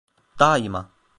Daima.